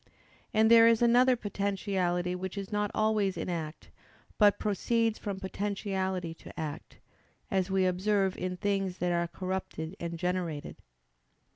And there is another potentiality which is not always in act, but proceeds from potentiality to act; as we observe in things that are corrupted and generated.